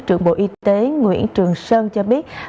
trưởng bộ y tế nguyễn trường sơn cho biết